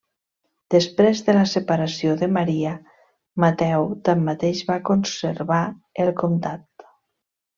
Després de la separació de Maria, Mateu tanmateix va conservar el comtat.